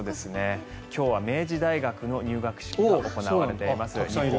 今日は明治大学の入学式が行われています。